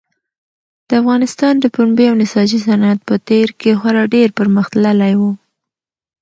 د افغانستان د پنبې او نساجي صنعت په تېر کې خورا ډېر پرمختللی و.